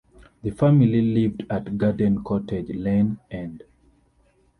The family lived at Garden Cottage, Lane End.